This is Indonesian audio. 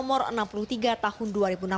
pada tahun dua ribu enam belas